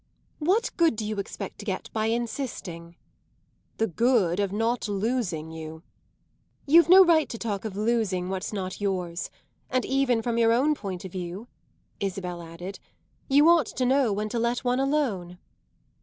"What good do you expect to get by insisting?" "The good of not losing you." "You've no right to talk of losing what's not yours. And even from your own point of view," Isabel added, "you ought to know when to let one alone."